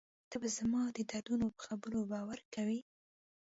ته به زما د دردونو په خبرو باور کوې.